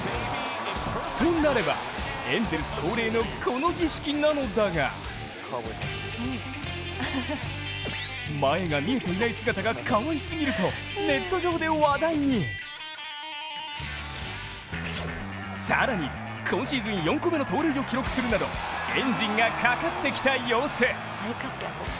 となれば、エンゼルス恒例のこの儀式なのだが前が見えていない姿がかわいすぎると、ネット上で話題に更に今シーズン４個目の盗塁を記録するなどエンジンがかかってきた様子。